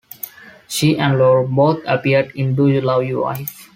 She and Laurel both appeared in Do You Love Your Wife?